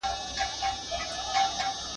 د ارغنداب سیند شاوخوا خاورې حاصل خېزې دي.